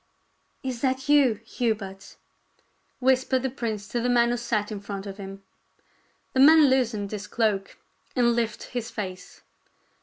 "Is that you, Hubert?" whispered the prince to the man who sat in front of him. The man loosened his cloak and lifted his face.